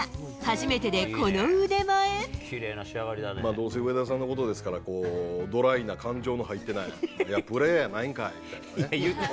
どうせ上田さんのことですから、ドライな、感情の入ってない、いや、プレーやないんかいみたいなね。